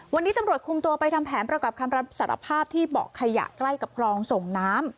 วันนี้ตำรวจคุมตัวไปทำแผนประกอบคำรับสารภาพที่เบาะขยะใกล้กับคลองส่งน้ำ